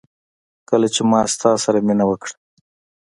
کله چي ما ستا سره مينه وکړه